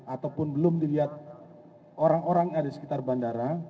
ataupun belum dilihat orang orang yang ada di sekitar bandara